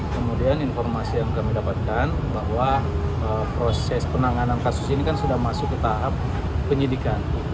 kemudian informasi yang kami dapatkan bahwa proses penanganan kasus ini kan sudah masuk ke tahap penyidikan